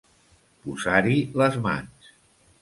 Posar-hi les mans.